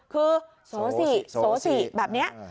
คือโสสิโสสิแบบนี้